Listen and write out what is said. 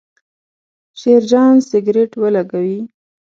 شیرجان سګرېټ ولګاوې.